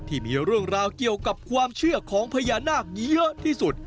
ที่มีเรื่องราวเกี่ยวกับความเชื่อของพญานาคเยอะที่สุด